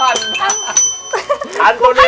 อันโตเนอร์รูดิเกอร์